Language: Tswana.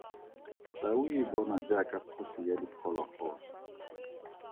Tau e bonwa jaaka kgosi ya diphologolo.